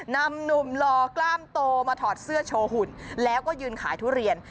นำหนุ่มหล่อกล้ามโตมาถอดเสื้อโชว์หุ่นแล้วก็ยืนขายทุเรียน